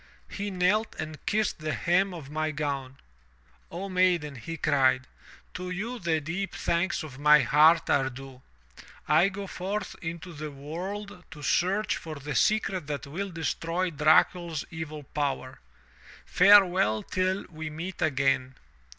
He knelt and kissed the hem of my gown. " 'O maiden,' he cried, *to you the deep thanks of my heart are due. I go forth into the world to search for the secret that will destroy Dracul's evil power. Farewell till we meet again.'